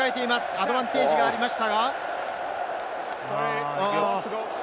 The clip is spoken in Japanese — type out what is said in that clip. アドバンテージがありましたが。